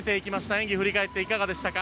演技振り返っていかがでしたか。